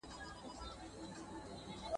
ده خپل ښی لاس په وېښتانو کې تېر کړ.